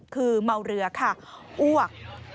คือเมาเรือค่ะอ้วก